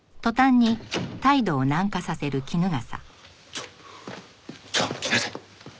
ちょちょっと来なさい。